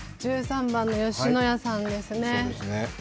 １３番の吉野家さんですね。